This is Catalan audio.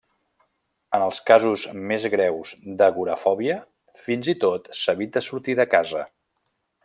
En els casos més greus d'agorafòbia, fins i tot s'evita sortir de casa.